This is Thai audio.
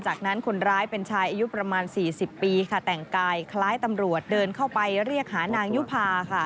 จากนั้นคนร้ายเป็นชายอายุประมาณ๔๐ปีค่ะแต่งกายคล้ายตำรวจเดินเข้าไปเรียกหานางยุภาค่ะ